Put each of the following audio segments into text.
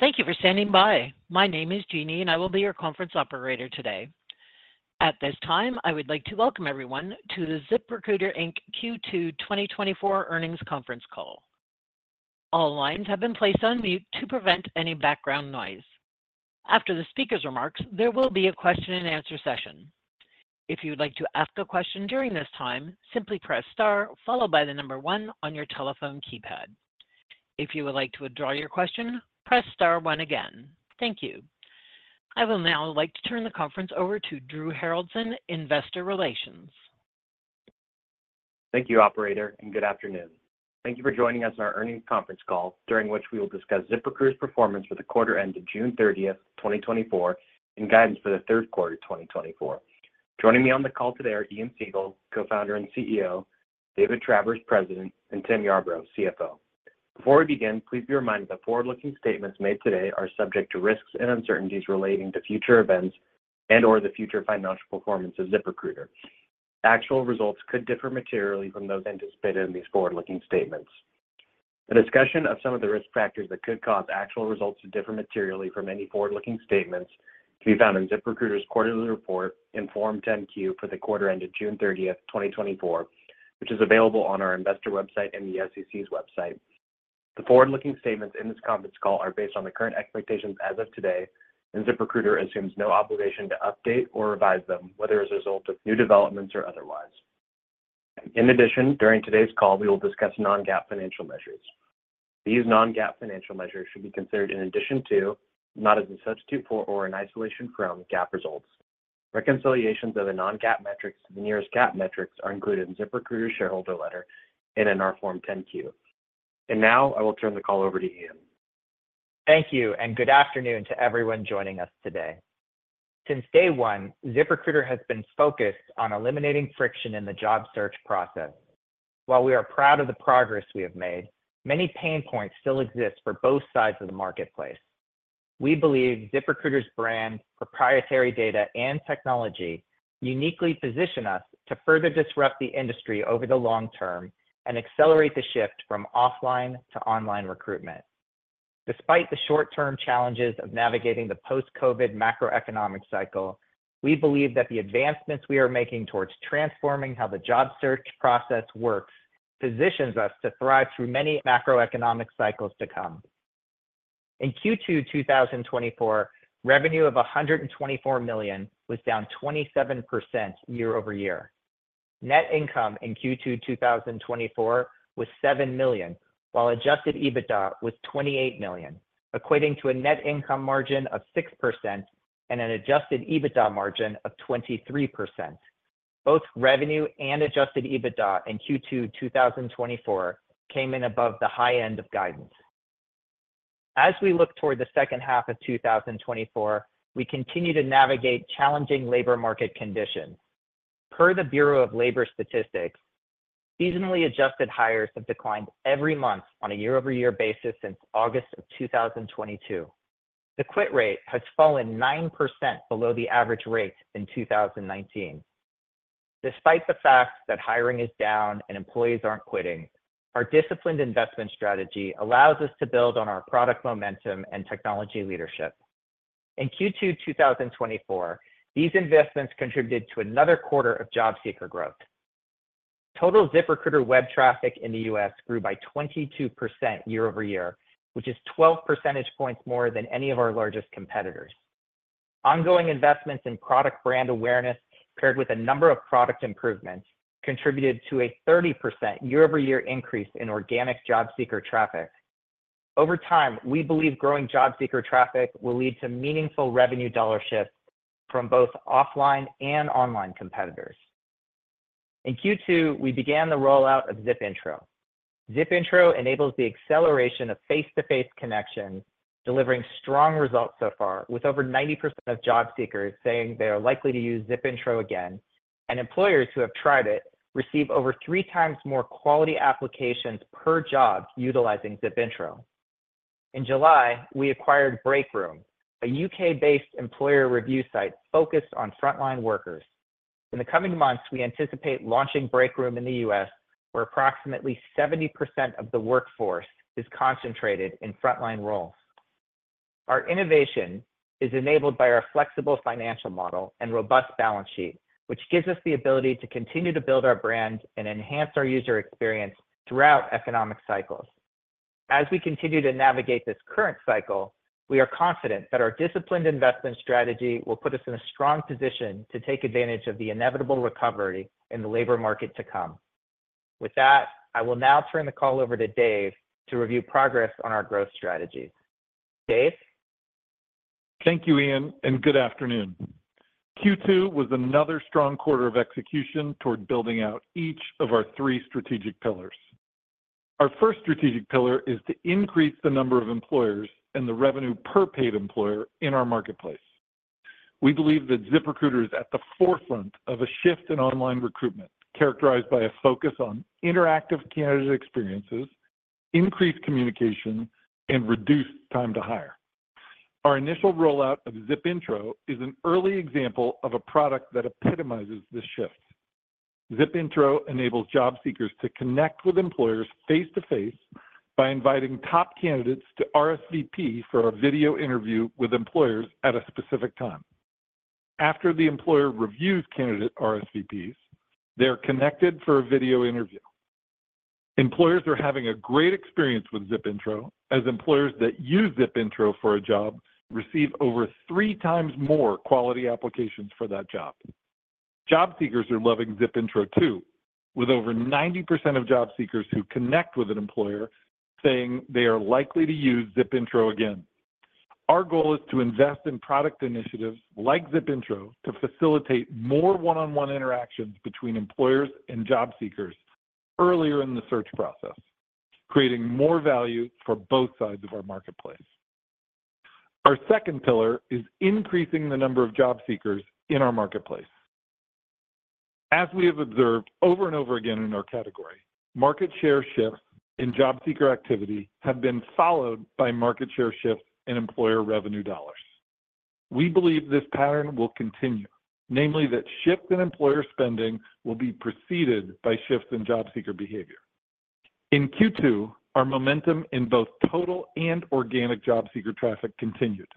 Thank you for standing by. My name is Jeannie, and I will be your conference Operator today. At this time, I would like to welcome everyone to the ZipRecruiter, Inc Q2 2024 Earnings Conference Call. All lines have been placed on mute to prevent any background noise. After the speaker's remarks, there will be a question and answer session. If you would like to ask a question during this time, simply press star, followed by the number one on your telephone keypad. If you would like to withdraw your question, press star one again. Thank you. I will now like to turn the conference over to Drew Haroldson, Investor Relations. Thank you, Operator, and good afternoon. Thank you for joining us on our earnings conference call, during which we will discuss ZipRecruiter's Performance for the Quarter ended June 30th, 2024, and guidance for the Third Quarter of 2024. Joining me on the call today are Ian Siegel, Co-founder and CEO, David Travers, President, and Tim Yarbrough, CFO. Before we begin, please be reminded that forward-looking statements made today are subject to risks and uncertainties relating to future events and/or the future financial performance of ZipRecruiter. Actual results could differ materially from those anticipated in these forward-looking statements. A discussion of some of the risk factors that could cause actual results to differ materially from any forward-looking statements can be found in ZipRecruiter's quarterly report in Form 10-Q for the quarter ended June 30th, 2024, which is available on our investor website and the SEC's website. The forward-looking statements in this conference call are based on the current expectations as of today, and ZipRecruiter assumes no obligation to update or revise them, whether as a result of new developments or otherwise. In addition, during today's call, we will discuss non-GAAP financial measures. These non-GAAP financial measures should be considered in addition to, not as a substitute for or in isolation from, GAAP results. Reconciliations of the non-GAAP metrics to the nearest GAAP metrics are included in ZipRecruiter's shareholder letter and in our Form 10-Q. Now, I will turn the call over to Ian. Thank you, and good afternoon to everyone joining us today. Since day one, ZipRecruiter has been focused on eliminating friction in the job search process. While we are proud of the progress we have made, many pain points still exist for both sides of the marketplace. We believe ZipRecruiter's brand, proprietary data, and technology uniquely position us to further disrupt the industry over the long term and accelerate the shift from offline to online recruitment. Despite the short-term challenges of navigating the post-COVID macroeconomic cycle, we believe that the advancements we are making towards transforming how the job search process works, positions us to thrive through many macroeconomic cycles to come. In Q2 2024, revenue of $124 million was down 27% year-over-year. Net income in Q2 2024 was $7 million, while Adjusted EBITDA was $28 million, equating to a net income margin of 6% and an Adjusted EBITDA margin of 23%. Both revenue and Adjusted EBITDA in Q2 2024 came in above the high end of guidance. As we look toward the second half of 2024, we continue to navigate challenging labor market conditions. Per the Bureau of Labor Statistics, seasonally adjusted hires have declined every month on a year-over-year basis since August of 2022. The quit rate has fallen 9% below the average rate in 2019. Despite the fact that hiring is down and employees aren't quitting, our disciplined investment strategy allows us to build on our product momentum and technology leadership. In Q2 2024, these investments contributed to another quarter of job seeker growth. Total ZipRecruiter web traffic in the U.S. grew by 22% year-over-year, which is 12 percentage points more than any of our largest competitors. Ongoing investments in product brand awareness, paired with a number of product improvements, contributed to a 30% year-over-year increase in organic job seeker traffic. Over time, we believe growing job seeker traffic will lead to meaningful revenue dollar shift from both offline and online competitors. In Q2, we began the rollout of ZipIntro. ZipIntro enables the acceleration of face-to-face connections, delivering strong results so far, with over 90% of job seekers saying they are likely to use ZipIntro again, and employers who have tried it receive over 3 times more quality applications per job utilizing ZipIntro. In July, we acquired Breakroom, a U.K.-based employer review site focused on frontline workers. In the coming months, we anticipate launching Breakroom in the U.S., where approximately 70% of the workforce is concentrated in frontline roles. Our innovation is enabled by our flexible financial model and robust balance sheet, which gives us the ability to continue to build our brand and enhance our user experience throughout economic cycles. As we continue to navigate this current cycle, we are confident that our disciplined investment strategy will put us in a strong position to take advantage of the inevitable recovery in the labor market to come. With that, I will now turn the call over to Dave to review progress on our growth strategies. Dave? Thank you, Ian, and good afternoon. Q2 was another strong quarter of execution toward building out each of our three strategic pillars. Our first strategic pillar is to increase the number of employers and the revenue per paid employer in our marketplace. We believe that ZipRecruiter is at the forefront of a shift in online recruitment, characterized by a focus on interactive candidate experiences, increased communication, and reduced time to hire. Our initial rollout of ZipIntro is an early example of a product that epitomizes this shift.... ZipIntro enables job seekers to connect with employers face-to-face by inviting top candidates to RSVP for a video interview with employers at a specific time. After the employer reviews candidate RSVPs, they're connected for a video interview. Employers are having a great experience with ZipIntro, as employers that use ZipIntro for a job receive over three times more quality applications for that job. Job seekers are loving ZipIntro, too, with over 90% of job seekers who connect with an employer saying they are likely to use ZipIntro again. Our goal is to invest in product initiatives like ZipIntro to facilitate more one-on-one interactions between employers and job seekers earlier in the search process, creating more value for both sides of our marketplace. Our second pillar is increasing the number of job seekers in our marketplace. As we have observed over and over again in our category, market share shifts in job seeker activity have been followed by market share shifts in employer revenue dollars. We believe this pattern will continue, namely, that shifts in employer spending will be preceded by shifts in job seeker behavior. In Q2, our momentum in both total and organic job seeker traffic continued.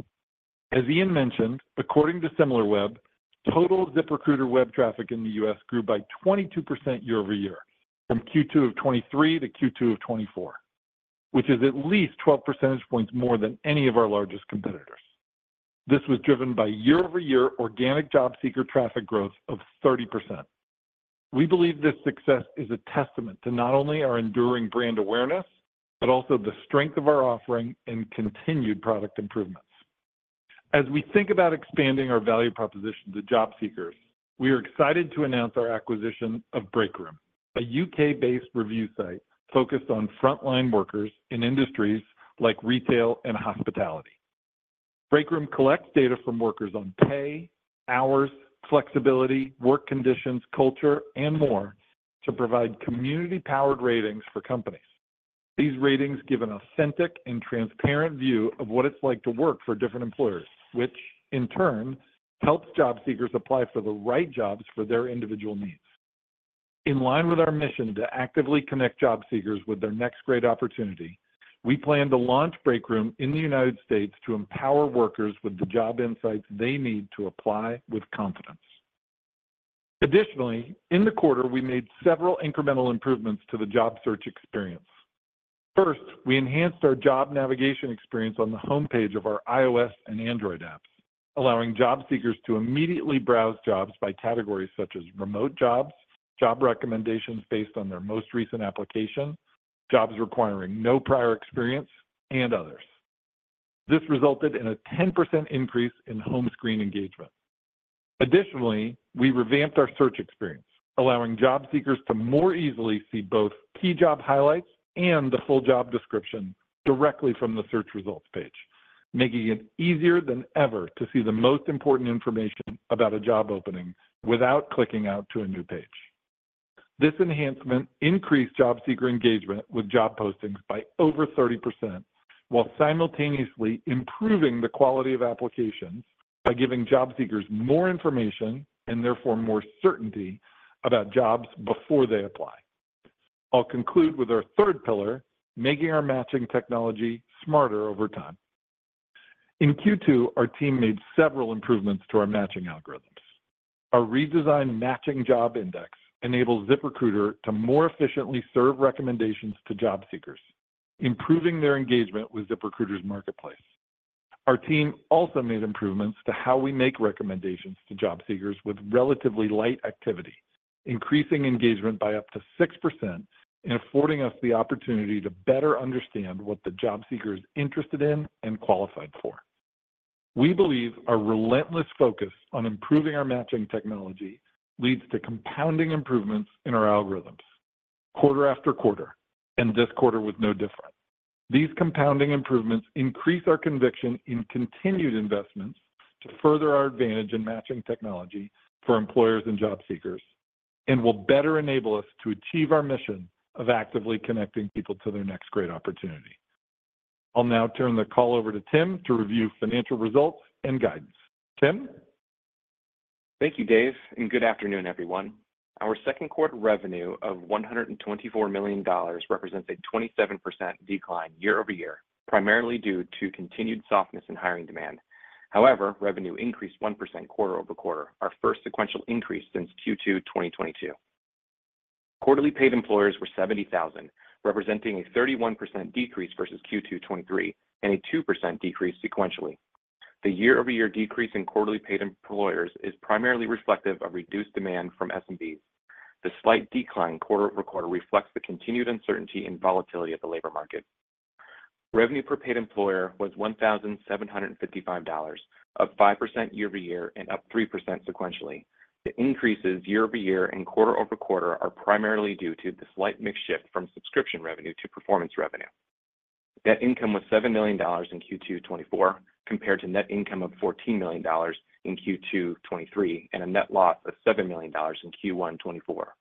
As Ian mentioned, according to Similarweb, total ZipRecruiter web traffic in the U.S. grew by 22% year-over-year from Q2 of 2023 to Q2 of 2024, which is at least twelve percentage points more than any of our largest competitors. This was driven by year-over-year organic job seeker traffic growth of 30%. We believe this success is a testament to not only our enduring brand awareness, but also the strength of our offering and continued product improvements. As we think about expanding our value proposition to job seekers, we are excited to announce our acquisition of Breakroom, a U.K.-based review site focused on frontline workers in industries like retail and hospitality. Breakroom collects data from workers on pay, hours, flexibility, work conditions, culture, and more to provide community-powered ratings for companies. These ratings give an authentic and transparent view of what it's like to work for different employers, which in turn helps job seekers apply for the right jobs for their individual needs. In line with our mission to actively connect job seekers with their next great opportunity, we plan to launch Breakroom in the U.S. to empower workers with the job insights they need to apply with confidence. Additionally, in the quarter, we made several incremental improvements to the job search experience. First, we enhanced our job navigation experience on the homepage of our iOS and Android apps, allowing job seekers to immediately browse jobs by categories such as remote jobs, job recommendations based on their most recent application, jobs requiring no prior experience, and others. This resulted in a 10% increase in home screen engagement. Additionally, we revamped our search experience, allowing job seekers to more easily see both key job highlights and the full job description directly from the search results page, making it easier than ever to see the most important information about a job opening without clicking out to a new page. This enhancement increased job seeker engagement with job postings by over 30%, while simultaneously improving the quality of applications by giving job seekers more information, and therefore more certainty about jobs before they apply. I'll conclude with our third pillar: making our matching technology smarter over time. In Q2, our team made several improvements to our matching algorithms. Our redesigned matching job index enables ZipRecruiter to more efficiently serve recommendations to job seekers, improving their engagement with ZipRecruiter's marketplace. Our team also made improvements to how we make recommendations to job seekers with relatively light activity, increasing engagement by up to 6% and affording us the opportunity to better understand what the job seeker is interested in and qualified for. We believe our relentless focus on improving our matching technology leads to compounding improvements in our algorithms quarter-after-quarter, and this quarter was no different. These compounding improvements increase our conviction in continued investments to further our advantage in matching technology for employers and job seekers and will better enable us to achieve our mission of actively connecting people to their next great opportunity. I'll now turn the call over to Tim to review financial results and guidance. Tim? Thank you, Dave, and good afternoon, everyone. Our second quarter revenue of $124 million represents a 27% decline year-over-year, primarily due to continued softness in hiring demand. However, revenue increased 1% quarter-over-quarter, our first sequential increase since Q2 2022. Quarterly paid employers were 70,000, representing a 31% decrease versus Q2 2023 and a 2% decrease sequentially. The year-over-year decrease in quarterly paid employers is primarily reflective of reduced demand from SMBs. The slight decline quarter-over-quarter reflects the continued uncertainty and volatility of the labor market. Revenue per paid employer was $1,755, up 5% year-over-year and up 3% sequentially. The increases year-over-year and quarter-over-quarter are primarily due to the slight mix shift from subscription revenue to performance revenue. Net income was $7 million in Q2 2024, compared to net income of $14 million in Q2 2023, and a net loss of $7 million in Q1 2024.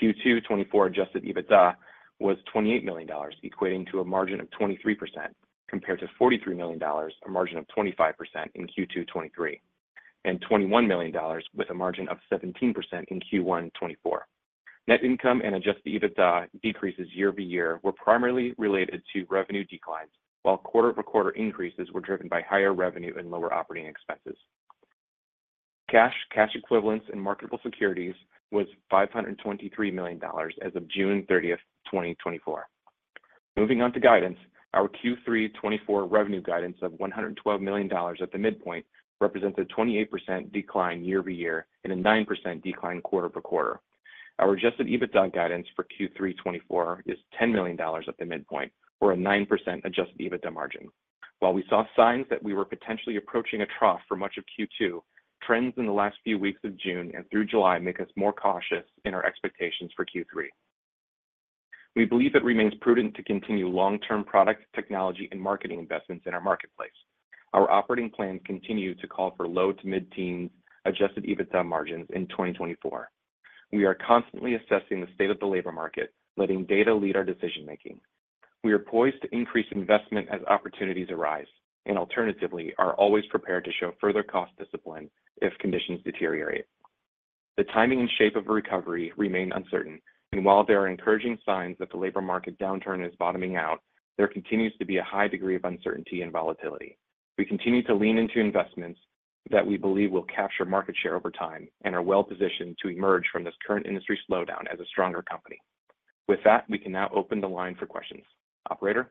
Q2 2024 Adjusted EBITDA was $28 million, equating to a margin of 23%, compared to $43 million, a margin of 25% in Q2 2023, and $21 million with a margin of 17% in Q1 2024. Net income and Adjusted EBITDA decreases year-over-year were primarily related to revenue declines, while quarter-over-quarter increases were driven by higher revenue and lower operating expenses. Cash, cash equivalents, and marketable securities was $523 million as of June 30th, 2024. Moving on to guidance, our Q3 2024 revenue guidance of $112 million at the midpoint represents a 28% decline year-over-year, and a 9% decline quarter-over-quarter. Our Adjusted EBITDA guidance for Q3 2024 is $10 million at the midpoint, or a 9% Adjusted EBITDA margin. While we saw signs that we were potentially approaching a trough for much of Q2, trends in the last few weeks of June and through July make us more cautious in our expectations for Q3. We believe it remains prudent to continue long-term product, technology, and marketing investments in our marketplace. Our operating plans continue to call for low- to mid-teen Adjusted EBITDA margins in 2024. We are constantly assessing the state of the labor market, letting data lead our decision-making. We are poised to increase investment as opportunities arise, and alternatively, are always prepared to show further cost discipline if conditions deteriorate. The timing and shape of a recovery remain uncertain, and while there are encouraging signs that the labor market downturn is bottoming out, there continues to be a high degree of uncertainty and volatility. We continue to lean into investments that we believe will capture market share over time and are well positioned to emerge from this current industry slowdown as a stronger company. With that, we can now open the line for questions. Operator?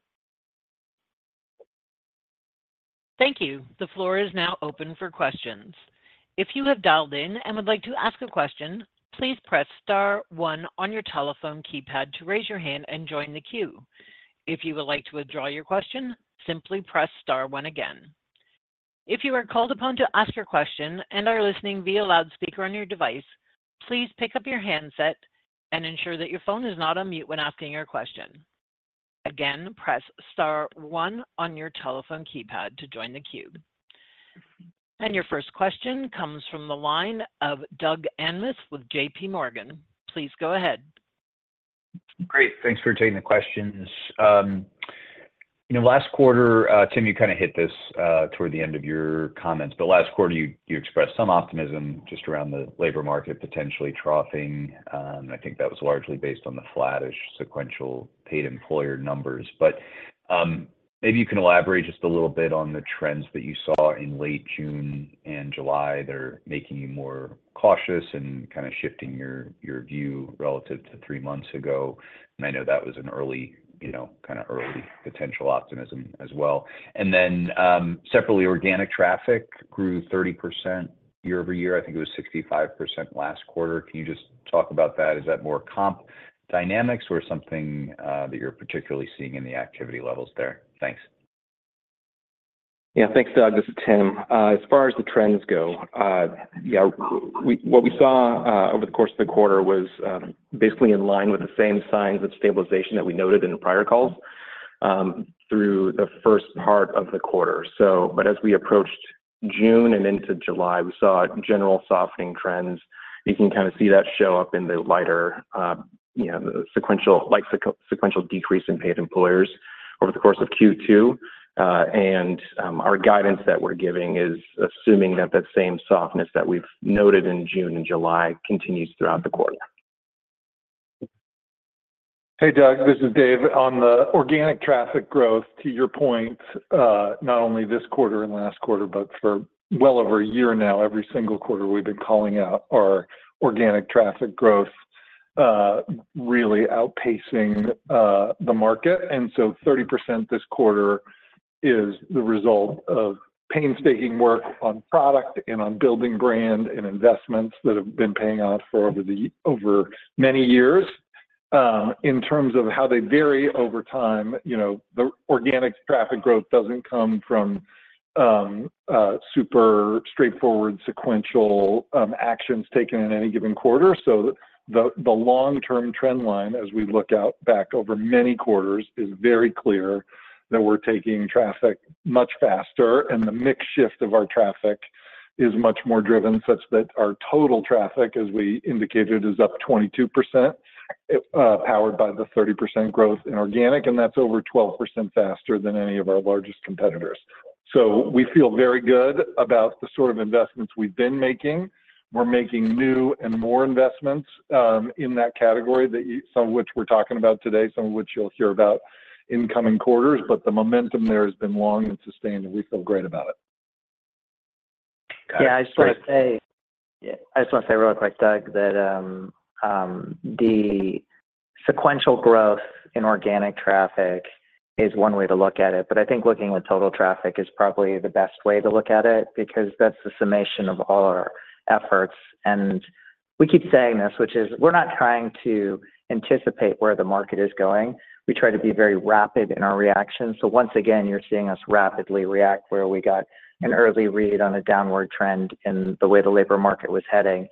Thank you. The floor is now open for questions. If you have dialed in and would like to ask a question, please press star one on your telephone keypad to raise your hand and join the queue. If you would like to withdraw your question, simply press star one again. If you are called upon to ask your question and are listening via loudspeaker on your device, please pick up your handset and ensure that your phone is not on mute when asking your question. Again, press star one on your telephone keypad to join the queue. Your first question comes from the line of Doug Anmuth with JPMorgan. Please go ahead. Great. Thanks for taking the questions. You know, last quarter, Tim, you kind of hit this, toward the end of your comments, but last quarter, you expressed some optimism just around the labor market, potentially troughing. I think that was largely based on the flattish sequential paid employer numbers. But, maybe you can elaborate just a little bit on the trends that you saw in late June and July that are making you more cautious and kind of shifting your view relative to three months ago. And I know that was an early, you know, kind of early potential optimism as well. And then, separately, organic traffic grew 30% year-over-year. I think it was 65% last quarter. Can you just talk about that? Is that more comp dynamics or something, that you're particularly seeing in the activity levels there? Thanks. Yeah. Thanks, Doug. This is Tim. As far as the trends go, yeah, what we saw over the course of the quarter was basically in line with the same signs of stabilization that we noted in the prior calls through the first part of the quarter. But as we approached June and into July, we saw general softening trends. You can kind of see that show up in the lighter, you know, like, sequential decrease in paid employers over the course of Q2. And our guidance that we're giving is assuming that that same softness that we've noted in June and July continues throughout the quarter. Hey, Doug, this is Dave. On the organic traffic growth, to your point, not only this quarter and last quarter, but for well over a year now, every single quarter, we've been calling out our organic traffic growth, really outpacing the market. So 30% this quarter is the result of painstaking work on product and on building brand and investments that have been paying out for over many years. In terms of how they vary over time, you know, the organic traffic growth doesn't come from super straightforward sequential actions taken in any given quarter. So the long-term trend line, as we look back over many quarters, is very clear that we're taking traffic much faster, and the mix shift of our traffic is much more driven, such that our total traffic, as we indicated, is up 22%, powered by the 30% growth in organic, and that's over 12% faster than any of our largest competitors. So we feel very good about the sort of investments we've been making. We're making new and more investments in that category, some of which we're talking about today, some of which you'll hear about in coming quarters. But the momentum there has been long and sustained, and we feel great about it. Got it. Great. Yeah, I just wanna say really quick, Doug, that the sequential growth in organic traffic is one way to look at it, but I think looking at total traffic is probably the best way to look at it because that's the summation of all our efforts. And we keep saying this, which is we're not trying to anticipate where the market is going. We try to be very rapid in our reactions. So once again, you're seeing us rapidly react where we got an early read on a downward trend in the way the labor market was heading.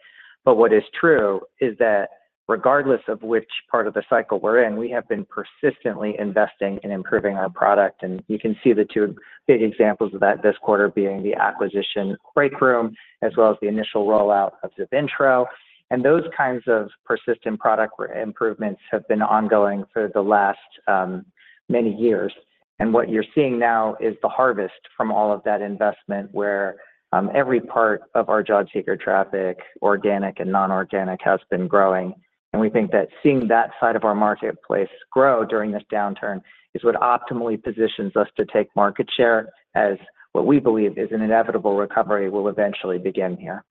But what is true is that regardless of which part of the cycle we're in, we have been persistently investing in improving our product. You can see the two big examples of that this quarter being the acquisition of Breakroom, as well as the initial rollout of ZipIntro. And those kinds of persistent product re-improvements have been ongoing for the last many years. And what you're seeing now is the harvest from all of that investment, where every part of our Job Seeker traffic, organic and non-organic, has been growing. And we think that seeing that side of our marketplace grow during this downturn is what optimally positions us to take market share, as what we believe is an inevitable recovery will eventually begin here.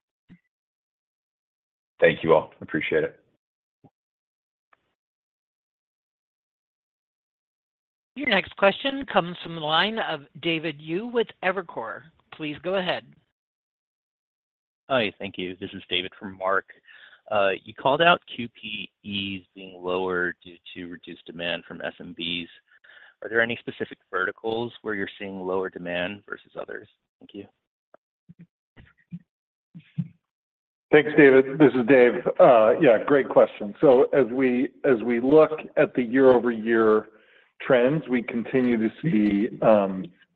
Thank you all. Appreciate it. Your next question comes from the line of David Yu with Evercore. Please go ahead. Hi. Thank you. This is David for Mark. You called out QPEs being lower due to reduced demand from SMBs. Are there any specific verticals where you're seeing lower demand versus others? Thank you. Thanks, David. This is Dave. Yeah, great question. So as we, as we look at the year-over-year trends, we continue to see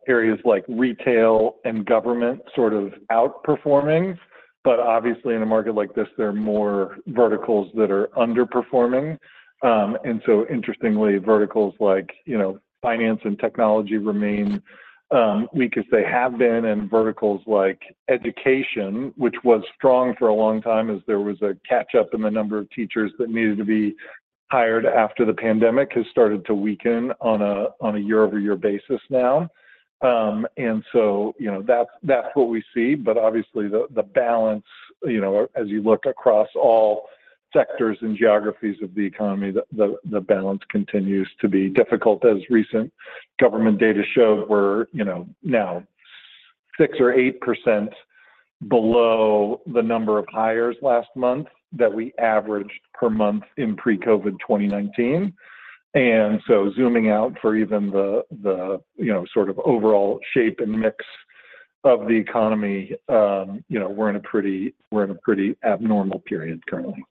areas like retail and government sort of outperforming, but obviously in a market like this, there are more verticals that are underperforming. And so interestingly, verticals like, you know, finance and technology remain weak as they have been, and verticals like education, which was strong for a long time as there was a catch-up in the number of teachers that needed to be hired after the pandemic, has started to weaken on a year-over-year basis now. And so, you know, that's what we see, but obviously, the balance, you know, as you look across all sectors and geographies of the economy, the balance continues to be difficult. As recent government data showed, we're, you know, now 6% or 8% below the number of hires last month that we averaged per month in pre-COVID in 2019. So zooming out for even the, you know, sort of overall shape and mix of the economy, you know, we're in a pretty abnormal period currently.